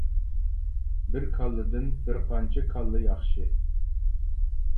بىر كاللىدىن بىر قانچە كاللا ياخشى.